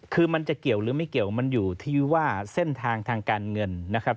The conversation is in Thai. คือมันจะเกี่ยวหรือไม่เกี่ยวมันอยู่ที่ว่าเส้นทางทางการเงินนะครับ